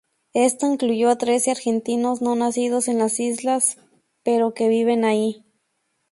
Esto incluyó a trece argentinos no nacidos en las islas, pero que viven allí.